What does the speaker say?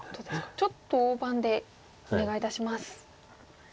ちょっと大盤でお願いいたします。